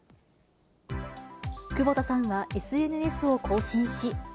窪田さんはＳＮＳを更新し。